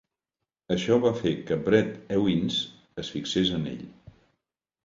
Això va fer que Brett Ewins es fixés en ell.